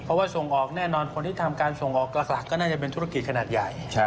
เพราะว่าส่งออกแน่นอนคนที่ทำการส่งออกหลักก็น่าจะเป็นธุรกิจขนาดใหญ่